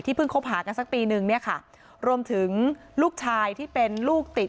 เพิ่งคบหากันสักปีนึงเนี่ยค่ะรวมถึงลูกชายที่เป็นลูกติด